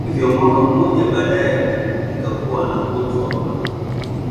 Hata hivyo mwaka mmoja baadaye aligundulika kuwa na ugonjwa wa moyo